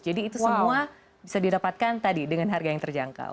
jadi itu semua bisa didapatkan tadi dengan harga yang terjangkau